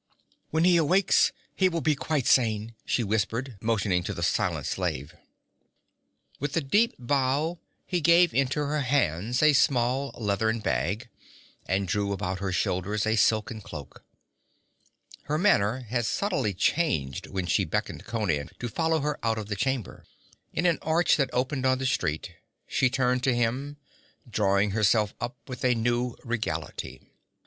'When he awakes he will be quite sane,' she whispered, motioning to the silent slave. With a deep bow he gave into her hands a small leathern bag, and drew about her shoulders a silken cloak. Her manner had subtly changed when she beckoned Conan to follow her out of the chamber. In an arch that opened on the street, she turned to him, drawing herself up with a new regality.